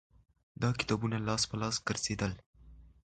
دا کتابونه لاس په لاس ګرځېدل